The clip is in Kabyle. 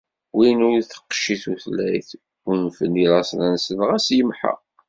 Wid ur teqci tutlayt, unfen i laṣel-nsen ɣas yemḥa.